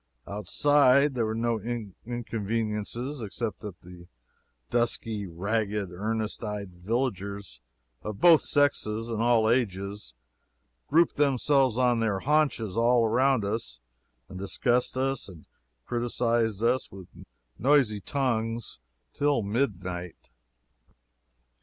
Outside there were no inconveniences, except that the dusky, ragged, earnest eyed villagers of both sexes and all ages grouped themselves on their haunches all around us, and discussed us and criticised us with noisy tongues till midnight.